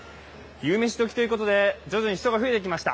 夕飯どきということで、徐々に人が増えてきました。